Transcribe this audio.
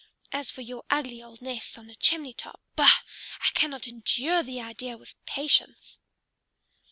As for your ugly old nest on the chimney top, bah! I cannot endure the idea with patience."